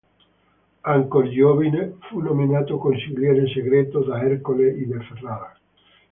Ancor giovine, fu nominato Consigliere Segreto da Ercole I di Ferrara.